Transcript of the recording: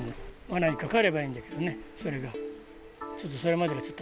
わなにかかればいいんだけどね、それが。